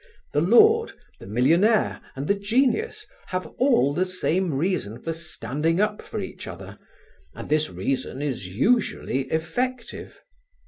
The lord, the millionaire and the genius have all the same reason for standing up for each other, and this reason is usually effective.